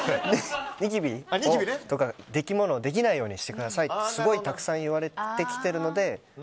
ニキビとか、できものができないようにしてくださいってすごい、たくさん言われてきてるので。